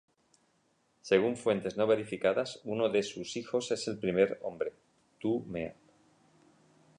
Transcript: Según fuentes no verificadas, uno de sus hijos es el primer hombre: Tu-mea.